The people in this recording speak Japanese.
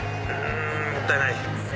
もったいない。